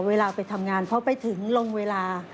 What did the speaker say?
เวลาไปทำงานพอไปถึงลงเวลา